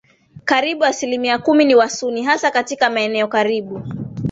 Karibu asilumia kumi ni Wasunni hasa katika maeneo karibu